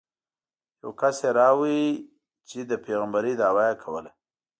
یو کس یې راوړ چې د پېغمبرۍ دعوه یې کوله.